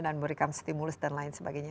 memberikan stimulus dan lain sebagainya